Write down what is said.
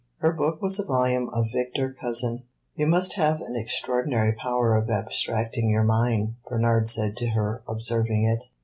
Her book was a volume of Victor Cousin. "You must have an extraordinary power of abstracting your mind," Bernard said to her, observing it.